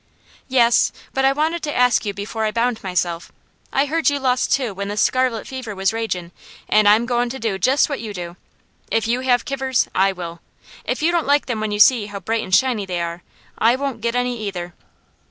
"Yes, but I wanted to ask you before I bound myself. I heard you lost two when the scarlet fever was ragin' an' I'm goin' to do jest what you do. If you have kivers, I will. If you don't like them when you see how bright and shiny they are, I won't get any either."